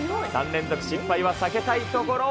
３連続失敗は避けたいところ。